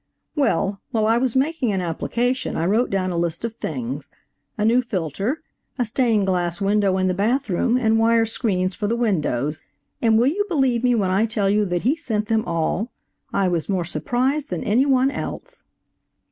Well, while I was making an application I wrote down a list of things: a new filter, a stained glass window in the bathroom and wire screens for the windows, and will you believe me when I tell you that he sent them all? I was more surprised than any one else."